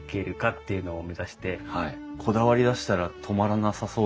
はいこだわりだしたら止まらなさそうですよね。